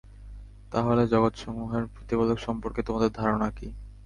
তা হলে জগতসমূহের প্রতিপালক সম্পর্কে তোমাদের ধারণা কি?